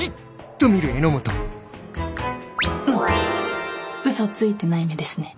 うん嘘ついてない目ですね。